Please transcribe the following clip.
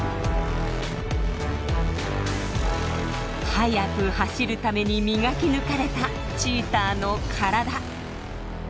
速く走るために磨き抜かれたチーターの体。